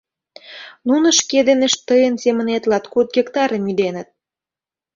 — Нуно шке денышт тыйын семынет латкуд гектарым ӱденыт.